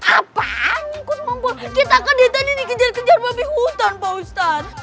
apaan ikut ngumpul kita ke detan ini dikejar kejar babi hutan pak ustadz